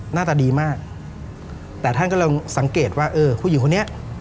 หน้าตาดีมากแต่ท่านก็ลองสังเกตว่าเออผู้หญิงคนนี้